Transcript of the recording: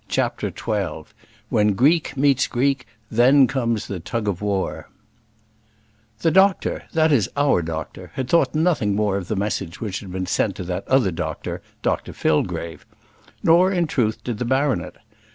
CHAPTER XII When Greek Meets Greek, Then Comes the Tug of War The doctor, that is our doctor, had thought nothing more of the message which had been sent to that other doctor, Dr Fillgrave; nor in truth did the baronet.